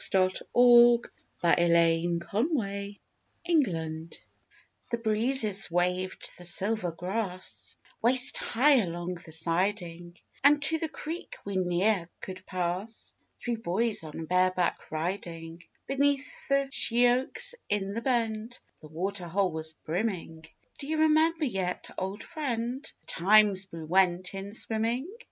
THE DAYS WHEN WE WENT SWIMMING The breezes waved the silver grass, Waist high along the siding, And to the creek we ne'er could pass Three boys on bare back riding; Beneath the sheoaks in the bend The waterhole was brimming Do you remember yet, old friend, The times we 'went in swimming?